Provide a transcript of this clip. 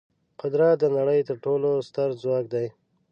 قدرت د نړۍ تر ټولو ستر ځواک دی.